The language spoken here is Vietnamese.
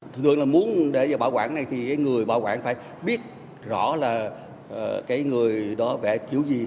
thường thường là muốn để vào bảo quản này thì người bảo quản phải biết rõ là cái người đó vẽ kiểu gì